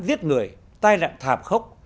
giết người tai nạn thàm khốc